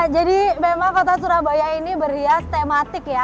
jadi memang kota surabaya ini berhias tematik ya